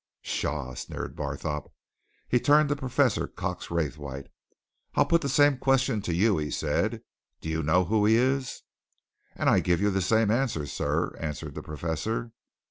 "Pshaw!" sneered Barthorpe. He turned to Professor Cox Raythwaite. "I'll put the same question to you?" he said. "Do you know who he is?" "And I give you the same answer, sir," answered the professor.